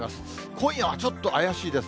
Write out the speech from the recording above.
今夜はちょっと怪しいです。